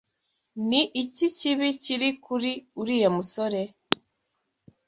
Ni iki kibi kiri kuri uriya musore?